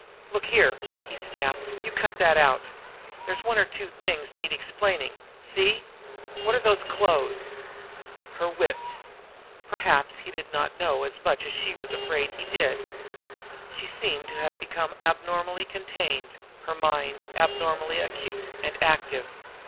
"Look here," he snapped, "you cut that out! There's one or two things need explaining see? What are those clothes?" Her wits! Perhaps he did not know as much as she was afraid he did! She seemed to have become abnormally contained, her mind abnormally acute and active.